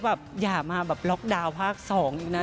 ว่าอย่ามาล็อคดาวน์ภาค๒อีกนะ